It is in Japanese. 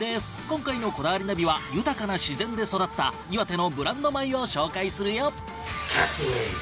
今回の『こだわりナビ』は豊かな自然で育った岩手のブランド米を紹介するよ。